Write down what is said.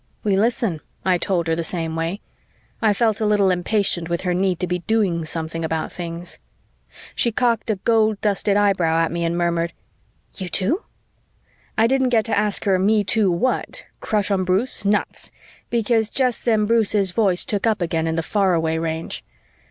"We listen," I told her the same way. I felt a little impatient with her need to be doing something about things. She cocked a gold dusted eyebrow at me and murmured, "You, too?" I didn't get to ask her me, too, what? Crush on Bruce? Nuts! because just then Bruce's voice took up again in the faraway range.